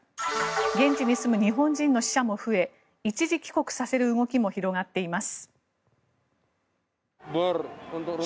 現地に住む日本人の死者も増え一時帰国させる動きも広がっています。